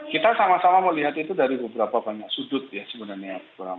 kita sama sama melihat itu dari beberapa banyak sudut ya sebenarnya